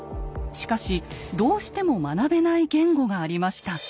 しかしどうしても学べない言語がありました。